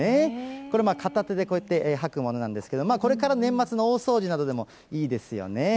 これ、片手でこうやって掃くものなんですけど、これから年末の大掃除などでもいいですよね。